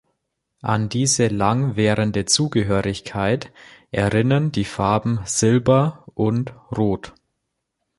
An diese lang währende Zugehörigkeit erinnern die Farben Silber und Rot.